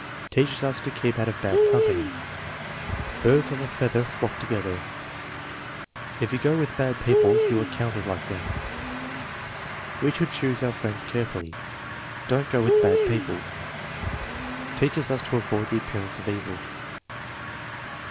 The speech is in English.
"Teaches us to keep out of bad company." "Birds of a feather flock together." "If you go with had people you are counted like them." "We should choose our friends carefully." "Don't go with bad people." "Teaches us to avoid the appearance of evil."